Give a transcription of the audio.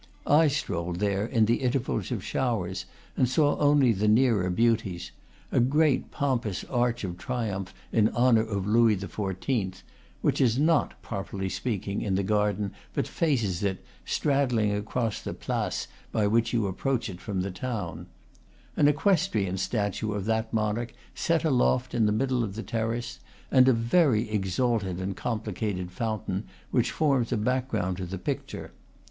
I strolled there in the intervals of showers, and saw only the nearer beauties, a great pompous arch of triumph in honor of Louis XIV. (which is not, properly speaking, in the garden, but faces it, straddling across the place by which you approach it from the town), an equestrian statue of that monarch set aloft in the middle of the terrace, and a very exalted and complicated fountain, which forms a background to the picture.